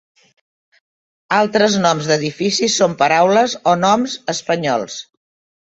Altres noms d'edificis són paraules o noms espanyols.